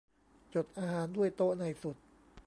จดอาหารด้วย โต๊ะในสุด